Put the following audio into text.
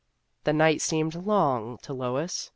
The night seemed long to Lois.